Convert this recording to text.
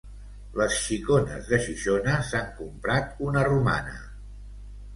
Les xicones de Xixona s'han comprat una romana.